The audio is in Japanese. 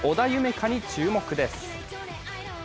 海に注目です。